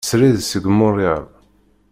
Srid seg Montreal.